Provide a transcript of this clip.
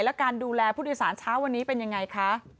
และการดูแลผู้โดยสารเช้าวันนี้เป็นยังไงคะ